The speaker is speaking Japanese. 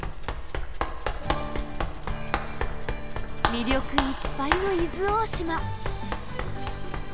魅力いっぱいの伊豆大島。